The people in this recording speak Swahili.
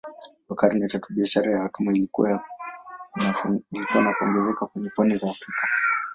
Kwa karne tatu biashara ya watumwa ilikua na kuongezeka kwenye pwani za Afrika.